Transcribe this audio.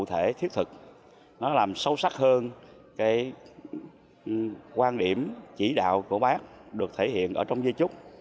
cụ thể thiết thực nó làm sâu sắc hơn cái quan điểm chỉ đạo của bác được thể hiện ở trong di trúc